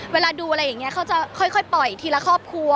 เวลาดูอะไรอย่างนี้เขาจะค่อยปล่อยทีละครอบครัว